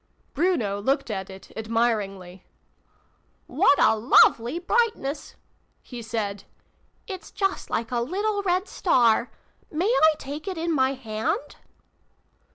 Bruno looked at it admiringly. " What a lovely brightness !" he said. " It's just like a little red star ! May I take it in my hand